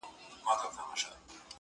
کشکي ستا پر لوڅ بدن وای ځلېدلی؛!